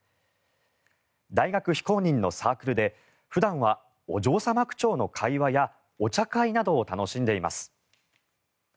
大学非公認のサークルで普段はお嬢様口調の会話やお茶会などを楽しんでいます。